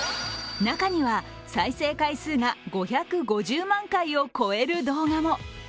中には、再生回数が５５０万回を超える動画も。